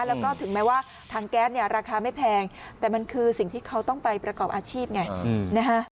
แล้วก็ถึงแม้ว่าถังแก๊สเนี่ยราคาไม่แพงแต่มันคือสิ่งที่เขาต้องไปประกอบอาชีพไงนะฮะ